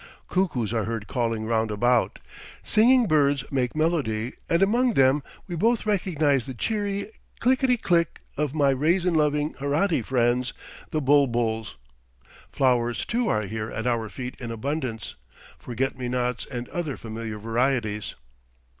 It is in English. Cuckoos are heard calling round about, singing birds make melody, and among them we both recognize the cheery clickety click of my raisin loving Herati friends, the bul buls. Flowers, too, are here at our feet in abundance, forget me nots and other familiar varieties.